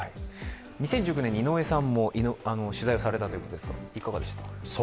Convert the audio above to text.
２０１９年に井上さんも取材をされたということですが、いかがでした？